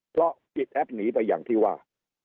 เพราะปิดแอปหนีไปอย่างที่ว่า